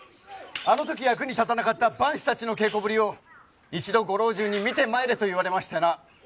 あの時役に立たなかった番士たちの稽古ぶりを一度ご老中に見て参れと言われましてな。